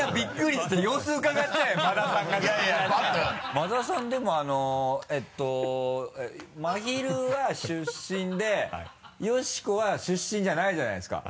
馬田さんでもまひるは出身でよしこは出身じゃないじゃないですか？